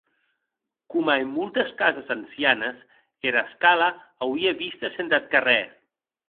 Coma en moltes cases ancianes, era escala auie vistes entath carrèr.